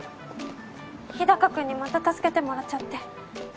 日高君にまた助けてもらっちゃって。